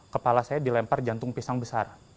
kepala saya dilempar jantung pisang besar